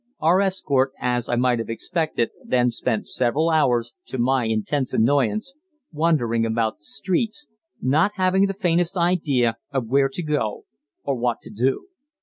Our escort, as I might have expected, then spent several hours, to my intense annoyance, wandering about the streets, not having the faintest idea of where to go or what to do.